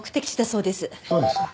そうですか。